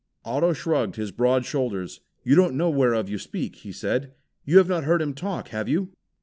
Otto shrugged his broad shoulders. "You don't know whereof you speak," he said. "You have not heard him talk, have you?"